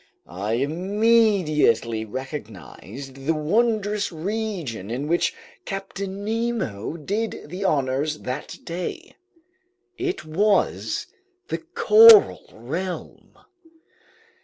I immediately recognized the wondrous region in which Captain Nemo did the honors that day. It was the coral realm.